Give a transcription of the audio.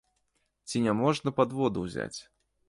Ці няможна падводу ўзяць.